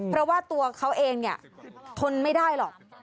เพราะว่าตัวเขาเองเนี่ยทนไม่ได้หรอก